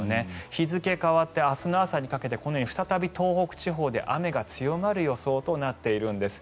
日付が変わって明日の朝にかけて再び東北地方で雨が強まる予想となっているんです。